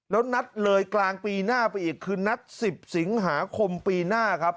แล้วนัดเลยกลางปีหน้าไปอีกคือนัด๑๐สิงหาคมปีหน้าครับ